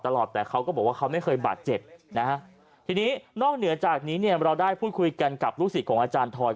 ตลอดแต่เขาก็บอกว่าเขาไม่เคยบาดเจ็บนะฮะทีนี้นอกเหนือจากนี้เนี่ยเราได้พูดคุยกันกับลูกศิษย์ของอาจารย์ทอย